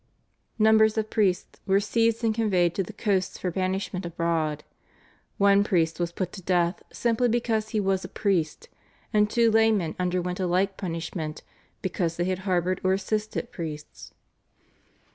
Numbers of priests were seized and conveyed to the coasts for banishment abroad; one priest was put to death simply because he was a priest, and two laymen underwent a like punishment because they had harboured or assisted priests.